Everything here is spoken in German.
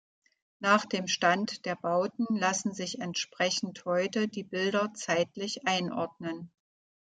Nach dem Stand der Bauten lassen sich entsprechend heute die Bilder zeitlich einordnen.